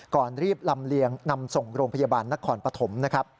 ก่อนรีบลำเรียงนำส่งโรงพยาบาลนักขอร์นปฐม